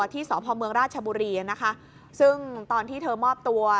ที่สพเมืองราชบุรีนะคะซึ่งตอนที่เธอมอบตัว